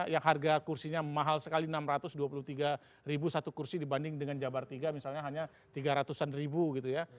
yang harga kursinya mahal sekali enam ratus dua puluh tiga ribu satu kursi dibanding dengan jabar tiga misalnya hanya tiga ratus an ribu gitu ya